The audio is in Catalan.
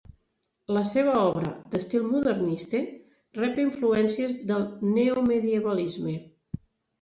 La seva obra, d'estil modernista, rep influències del neomedievalisme.